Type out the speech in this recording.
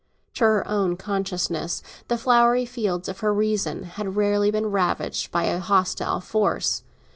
To her own consciousness, the flowery fields of her reason had rarely been ravaged by a hostile force.